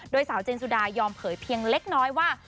โดยสาวเจนสุดายอมเผยเพียงเล็กน้อยว่า